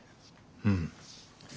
うん。